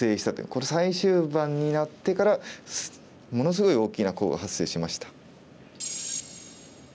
これ最終盤になってからものすごい大きなコウが発生しました。